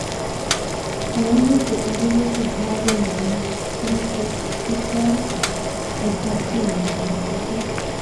koyakituu eng rurutik ko agenge eng tukuk che kerto tesetabkei ne bo kabotishe.